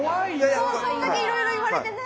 こんだけいろいろ言われてね。